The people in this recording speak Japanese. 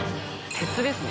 鉄ですね。